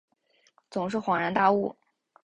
总是恍然大悟